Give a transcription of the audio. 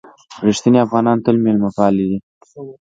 رښتیني افغانان تل مېلمه پالي دي.